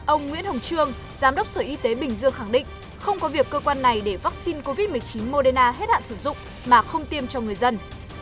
ông nguyễn hồng trương giám đốc sở y tế bình dương khẳng định không có việc cơ quan này để vaccine covid một mươi chín moderna hết hạn sử dụng mà không tiêm cho người dân